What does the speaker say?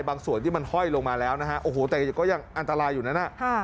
บางส่วนที่มันเฮ่าลงมาแล้วแต่ก็ยังอันตรายอยู่นะ